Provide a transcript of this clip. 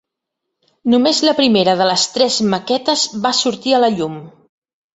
Només la primera de les tres maquetes va sortir a la llum.